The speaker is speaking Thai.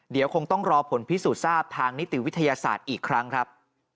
เดี๋ยวคงต้องรอผลพิสูจน์ทราบทางนิติวิทยาศาสตร์อีกครั้งครับ